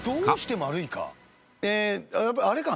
やっぱあれか。